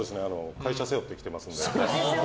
会社を背負ってきてますので。